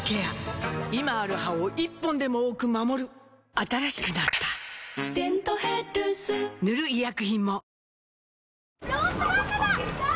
今ある歯を１本でも多く守る新しくなった「デントヘルス」塗る医薬品も